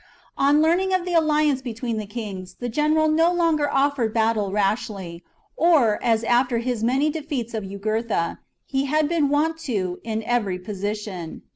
On learning of the alliance between the kings, the general no longer offered battle rashly, or, as after his many defeats of Jugurtha, he had been wont to do, in every position.